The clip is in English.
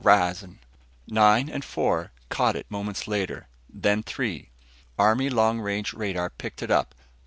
rising " Nine and Four caught it moments later. Then Three, Army long range radar, picked it up.